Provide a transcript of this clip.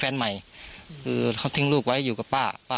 แฟนใหม่คือเขาทิ้งลูกไว้อยู่กับป้าป้า